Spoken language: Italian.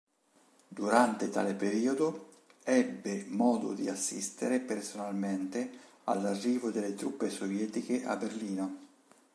Durante tale periodo ebbe modo di assistere personalmente all'arrivo delle truppe sovietiche a Berlino.